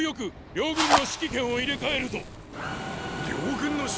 両軍の指揮権を替える⁉